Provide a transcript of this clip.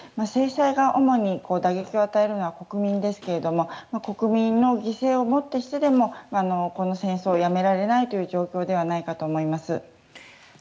制裁が主に打撃を与えるのは国民ですが国民の犠牲をもってしてもこの戦争をやめられないという状況だと思います。